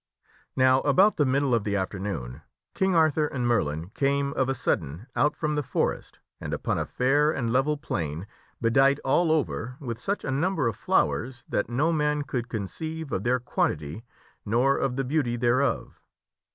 Now about the middle of the afternoon King Arthur and Merlin came, of a sudden, out from the forest and upon a fair and level plain, bedight all over with such a number of flowers that no man could conceive of thei quantity nor of the beauty thereof.